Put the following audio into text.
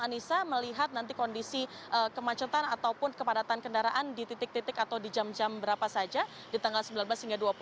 anissa melihat nanti kondisi kemacetan ataupun kepadatan kendaraan di titik titik atau di jam jam berapa saja di tanggal sembilan belas hingga dua puluh